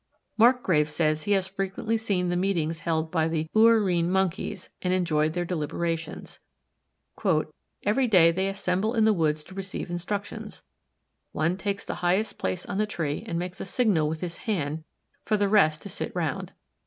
Marcgrave says he has frequently seen the meetings held by the Ouarine Monkeys and enjoyed their deliberations. "Every day they assemble in the woods to receive instructions. One takes the highest place on the tree and makes a signal with his hand for the rest to sit round.